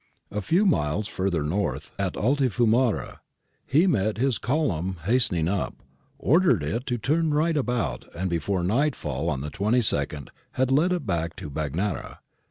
A few miles further north, at Altifiumara, he met his column hastening up, ordered it to turn right about and before nightfall on the 22nd had led it back to Bagnara.